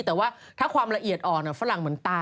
แต่ว่าถ้าความละเอียดอ่อนฝรั่งเหมือนตา